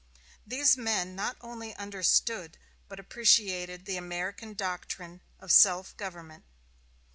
These men not only understood but appreciated the American doctrine of self government.